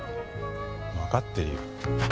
わかってるよ。